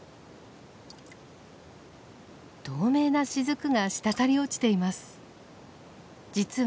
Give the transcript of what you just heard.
透明な滴が滴り落ちています。